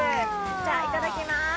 じゃあいただきます。